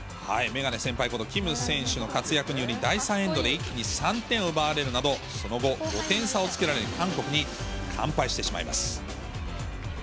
メガネ先輩こと、キム選手の活躍により、第３エンドで一気に３点を奪われるなど、その後、５点差をつけられ、韓国に完敗してしまいます。